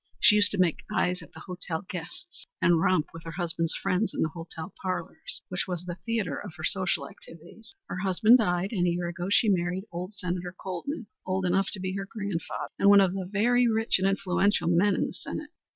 She used to make eyes at the hotel guests and romp with her husband's friends in the hotel parlors, which was the theatre of her social activities. Her husband died, and a year ago she married old Senator Colman, old enough to be her grandfather, and one of the very rich and influential men in the Senate.